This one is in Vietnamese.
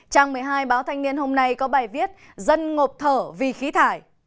trang một mươi hai báo thanh niên hôm nay có bài viết dân ngộp thở vì khí thải